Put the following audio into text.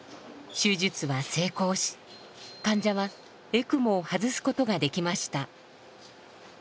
手術は成功し患者はエクモを外すことができました。